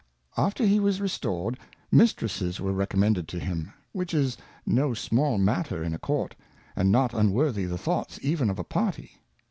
After he was restored. Mistresses were recommended to him ; which is no small matter in a Court, and not unworthy the Thoughtseven of a Party^.